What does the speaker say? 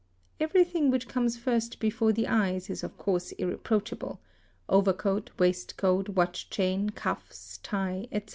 Every thing which comes first _ before the eyes is of course irreproachable: overcoat, waistcoat, watch is chain, cuffs, tie, etc.